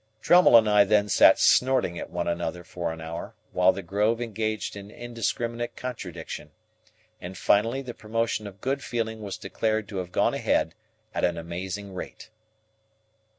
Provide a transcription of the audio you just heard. Drummle and I then sat snorting at one another for an hour, while the Grove engaged in indiscriminate contradiction, and finally the promotion of good feeling was declared to have gone ahead at an amazing rate.